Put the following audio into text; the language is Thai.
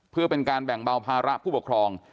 เพื่อเป็นการแบ่งเบาภาระผู้ปกครอง